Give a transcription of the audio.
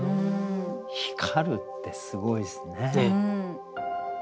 光るってすごいですね。